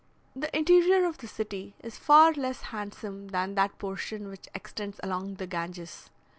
The interior of the city is far less handsome than that portion which extends along the Ganges.